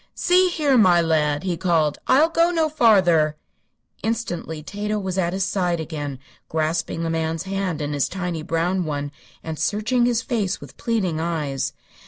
"See here, my lad," he called: "I'll go no farther." Instantly Tato was at his side again, grasping the man's hand in his tiny brown one and searching his face with pleading eyes.